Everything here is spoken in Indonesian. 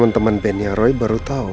oke oke pak bisa pak